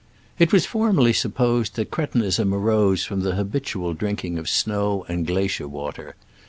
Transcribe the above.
It was formerly supposed that cre tinism arose from the habitual drink ing of snow and glacier water.